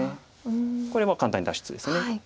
これは簡単に脱出です。